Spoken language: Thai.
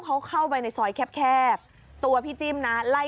มันกลับมาที่สุดท้ายแล้วมันกลับมาที่สุดท้ายแล้ว